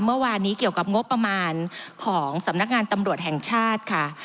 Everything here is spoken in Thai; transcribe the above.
เมื่อวานนี้เกี่ยวกับงบประมาณของสำนักงานตำรวจแห่งชาติค่ะ